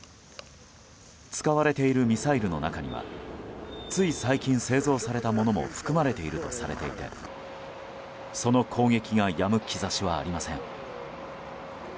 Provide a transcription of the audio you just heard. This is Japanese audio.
使われているミサイルの中にはつい最近、製造されたものも含まれているとされていてその攻撃がやむ兆しはありません。